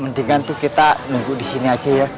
mendingan tuh kita nunggu di sini aja ya